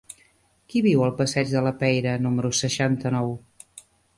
Qui viu al passeig de la Peira número seixanta-nou?